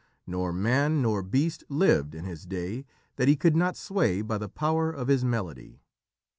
Nor man nor beast lived in his day that he could not sway by the power of his melody.